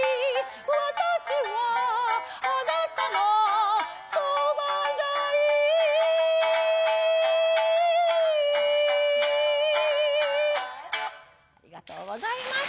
私はあなたのそばがいいありがとうございます。